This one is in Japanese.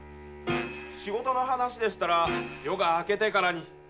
仕事の話でしたら夜が明けてからに。